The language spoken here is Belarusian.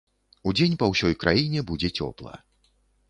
Удзень па ўсёй краіне будзе цёпла.